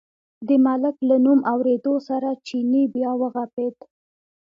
د ملک له نوم اورېدو سره چیني بیا و غپېد.